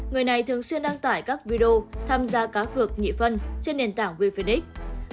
người này thường xuyên đăng tải các video tham gia cá cược nhị phân trên nền tảng wefec